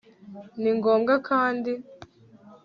ni ngombwa kandi